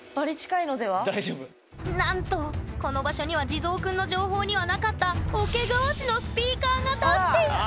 なんとこの場所には地蔵くんの情報にはなかった桶川市のスピーカーが立っていた！